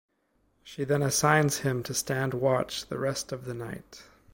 She then assigns him to stand watch the rest of the night.